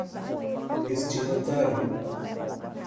destinatário